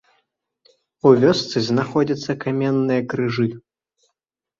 У вёсцы знаходзяцца каменныя крыжы.